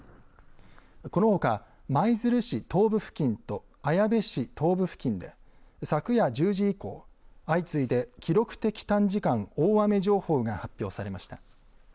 このほか舞鶴市東部付近と綾部市東部付近で昨夜１０時以降、相次いで記録的短時間大雨情報が発表されました。